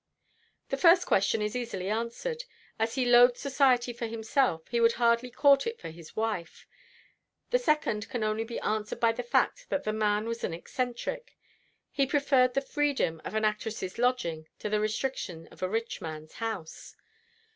"The first question is easily answered. As he loathed society for himself, he would hardly court it for his wife. The second can only be answered by the fact that the man was an eccentric. He preferred the freedom of an actress's lodging to the restrictions of a rich man's house.